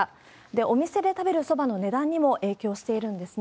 お店で食べるそばの値段にも影響しているんですね。